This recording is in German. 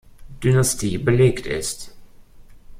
Dynastie belegt ist.